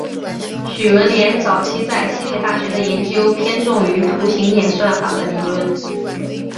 许闻廉早期在西北大学的研究偏重于图形演算法的理论。